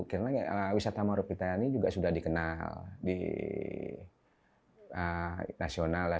karena wisata mangrove kita ini juga sudah dikenal di nasional lah